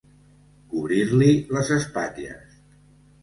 Cobrir-li les espatlles.